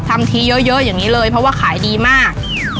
ทำทีเยอะอย่างนี้เลยเพราะว่าขายดีมาก